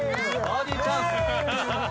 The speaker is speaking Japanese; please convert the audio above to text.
バーディーチャンス！